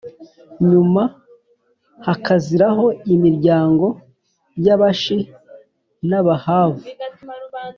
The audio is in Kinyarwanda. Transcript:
nyuma hakaziraho imiryango y’Abashi n’Abahavu